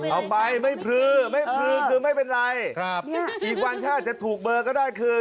เอาไปไม่พลือไม่พลือคือไม่เป็นไรอีกวันถ้าอาจจะถูกเบอร์ก็ได้คือ